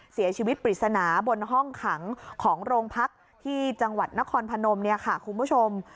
เสียชีวิตปริศนาบนห้องขังของโรงพักที่จังหวัดนครพนมเนี่ยค่ะคุณผู้ชม